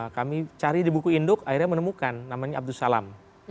kami cari di buku induk akhirnya menemukan namanya abdussalam